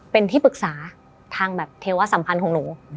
เป็นที่ปรึกษาทางแบบเทวสัมพันธ์ของหนู